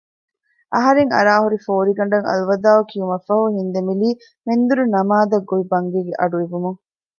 އަހަރެން އަރާހުރި ފޯރިގަނޑަށް އަލްވަދާއު ކިޔުމަށްފަހު ހިންދެމިލީ މެންދުރު ނަމާދަށް ގޮވި ބަންގީގެ އަޑު އިވުމުން